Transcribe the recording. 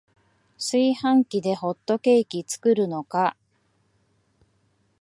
炊飯器でホットケーキ作るのか